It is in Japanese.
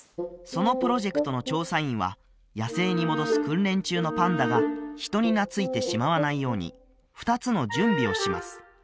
そのプロジェクトの調査員は野生に戻す訓練中のパンダが人に懐いてしまわないように２つの準備をします